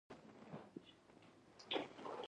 هره ډله دې د لاسي صنایعو د تولید سیمې په ګوته کړي.